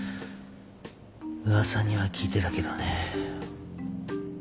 うわさには聞いてたけどね。